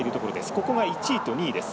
ここが１位と２位です。